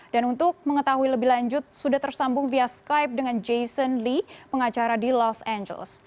dan untuk mengetahui lebih lanjut sudah tersambung via skype dengan jason lee pengacara di los angeles